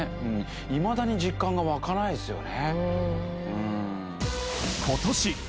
いまだに実感が湧かないですよね。